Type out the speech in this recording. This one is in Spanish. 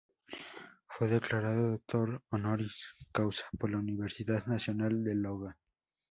Fue declarado Doctor Honoris causa por la Universidad Nacional de Loja.